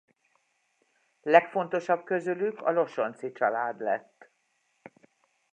Legfontosabb közülük a Losonci család lett.